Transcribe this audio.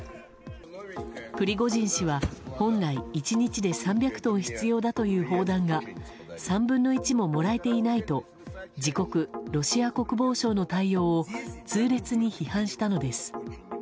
プリゴジン氏は本来１日で３００トン必要だという砲弾が３分の１しかもらえていないと自国、ロシア国防省の対応を痛烈に批判したのです。